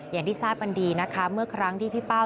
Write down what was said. อย่างที่ทราบกันดีนะคะเมื่อครั้งที่พี่เป้า